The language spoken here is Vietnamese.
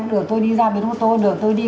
cũng được tôi đi ra bên ô tô cũng được tôi đi